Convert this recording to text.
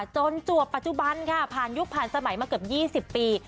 จวบปัจจุบันค่ะผ่านยุคผ่านสมัยมาเกือบ๒๐ปี